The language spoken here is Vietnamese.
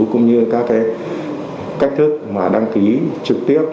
cũng như các cái cách thức mà đăng ký trực tiếp